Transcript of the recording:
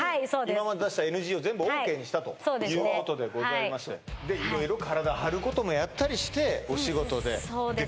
今まで出したＮＧを全部ＯＫにしたということでございまして色々体張ることもやったりしてお仕事でそうですね